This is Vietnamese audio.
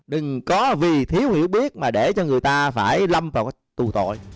đừng có vì thiếu hiểu biết mà để cho người ta phải lâm vào tù tội